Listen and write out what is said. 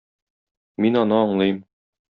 Мин аны аңлыйм.